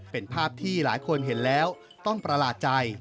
เป็นภาพที่หลายคนเห็นแล้วต้องประหลาดใจ